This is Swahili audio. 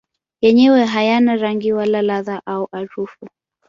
Yenyewe hayana rangi wala ladha au harufu.